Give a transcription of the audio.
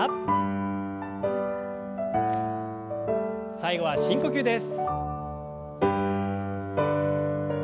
最後は深呼吸です。